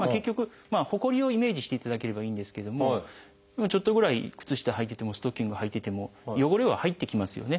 ほこりをイメージしていただければいいんですけれどもちょっとぐらい靴下はいててもストッキングはいてても汚れは入ってきますよね。